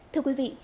thưa quý vị